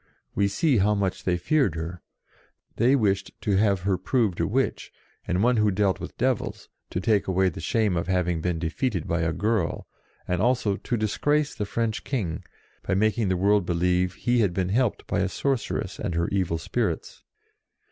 We see how much they feared her. They wished to have her proved a witch, and one who dealt with devils, to take away the shame of having been defeated by a girl, and HER TRIAL 99 also to disgrace the French King by making the world believe that he had been helped by a sorceress and her evil spirits.